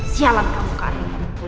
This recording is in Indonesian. sialan kamu karim